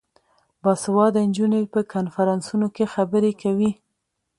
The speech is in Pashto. باسواده نجونې په کنفرانسونو کې خبرې کوي.